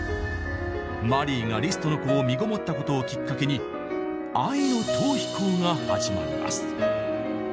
マリーがリストの子をみごもったことをきっかけに愛の逃避行が始まります。